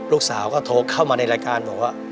ลูกสาวก็โทรเข้ามาในรายการบอกว่า